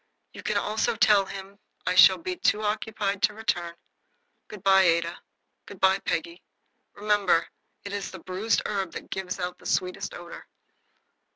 "You can also tell him I shall be too occupied to return. Good bye, Ada. Good bye, Peggy. Remember, it is the bruised herb that gives out the sweetest odor."